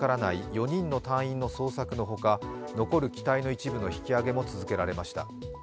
４人の隊員の捜索のほか残る機体の一部の引き揚げも続けられました。